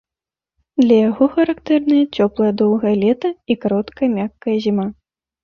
Для яго характэрныя цёплае доўгае лета і кароткая мяккая зіма.